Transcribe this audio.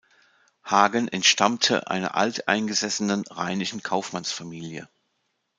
Hagen entstammte einer alteingesessenen rheinischen Kaufmannsfamilie.